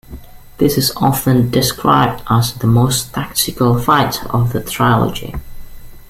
This is often described as the most tactical fight of the trilogy.